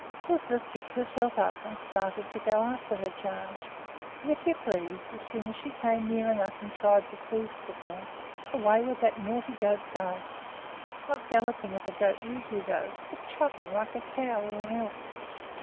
Lisbeth picked herself up and started to go after her charge; but, if you please, as soon as she came near enough and tried to seize Crookhorn, away would that naughty goat dart, not galloping as a goat usually does, but trotting like a cow or an elk.